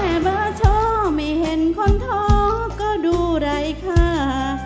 เห็นแค่เบาเช้าไม่เห็นคนท้อก็ดูไร้ค่า